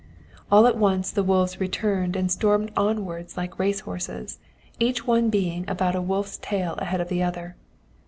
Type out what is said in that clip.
"All at once the wolves returned and stormed onwards like race horses, each one being about a wolf's tail ahead of the other.